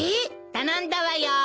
頼んだわよ。